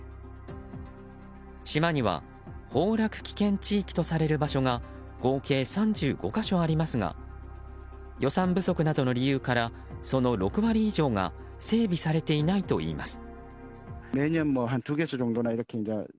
島には崩落危険地域とされる場所が合計３５か所ありますが予算不足などの理由からその６割以上が整備されていないといいます。